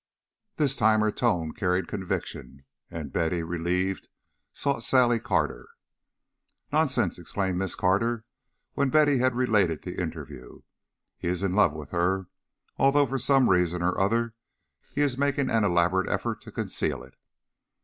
This time her tone carried conviction, and Betty, relieved, sought Sally Carter. "Nonsense!" exclaimed Miss Carter, when Betty had related the interview. "He is in love with her, although for some reason or other he is making an elaborate effort to conceal it."